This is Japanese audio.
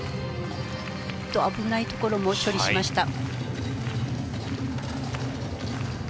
危ないところも処理しました。